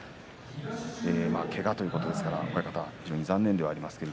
けがということですから親方、非常に残念ですが。